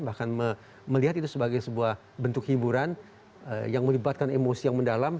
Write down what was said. bahkan melihat itu sebagai sebuah bentuk hiburan yang melibatkan emosi yang mendalam